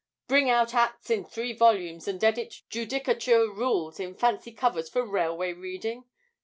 'Bring out Acts in three volumes, and edit Judicature Rules in fancy covers for railway reading?